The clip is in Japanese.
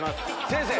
先生！